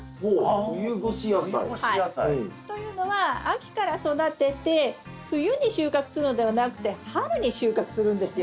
秋から育てて冬に収穫するのではなくて春に収穫するんですよ。